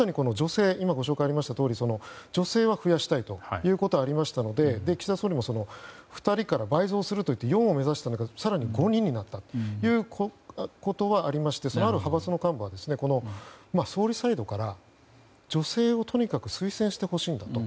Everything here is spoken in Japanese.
まさに女性は増やしたいということがありましたので岸田総理も２人から倍増するといって４を目指したんですが更に５人になったということはありまして、ある派閥の幹部は総理サイドからとにかく女性を推薦してほしいんだと。